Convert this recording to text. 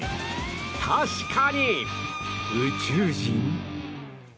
確かに、宇宙人？